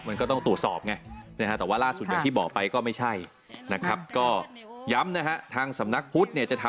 มันก็ต้องตรวจสอบแต่ล่าสุดอย่างที่บอกไปก็ไม่ใช่